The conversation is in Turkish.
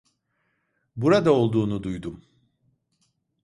Burada olduğunu duydum.